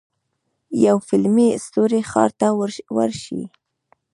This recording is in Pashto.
یو فلمي ستوری ښار ته ورشي.